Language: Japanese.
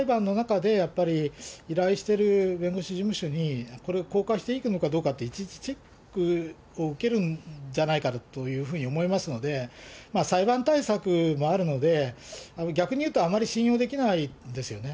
その裁判の中で、やっぱり、依頼している弁護士事務所にこれを公開していくのかどうかって、いちいちチェックを受けるんじゃないかなというふうに思いますので、裁判対策もあるので、逆にいうとあまり信用できないですよね。